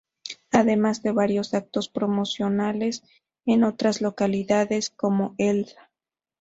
Además de varios actos promocionales en otras localidades, como Elda.